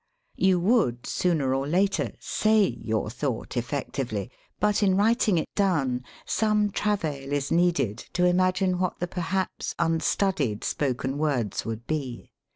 You would, sooner or later, say your thought effectively, but in writing it down some travail is needed to imagine what the perhaps unstudied spoken words would be.